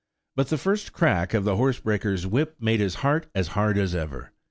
But the first crack of the horsebreaker's whip made his heart as hard as ever.